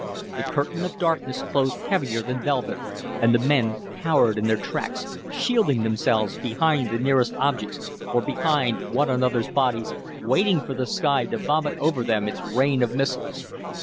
The curtain of darkness closed heavier than velvet, and the men cowered in their tracks, shielding themselves behind the nearest objects or behind one another's bodies, waiting for the sky to vomit over them its rain of missiles.